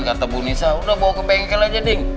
kata bu nisa udah bawa ke bengkel aja deh